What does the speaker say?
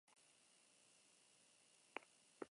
Gurasoek desagerpenaren lau bertsio eman zituzten.